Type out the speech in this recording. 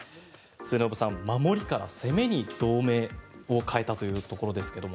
末延さん、守りから攻めに同盟を変えたというところですけれども。